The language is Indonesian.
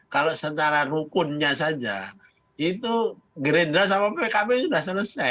kalau secara rukunnya saja itu gerindra sama pkb sudah selesai